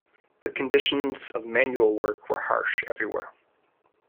Conditions of manual work were harsh everywhere.